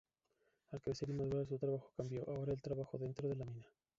Al crecer y madurar su trabajo cambió, ahora el trabajaba dentro de la mina.